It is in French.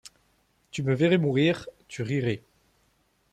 Tu me verrais mourir, tu rirais.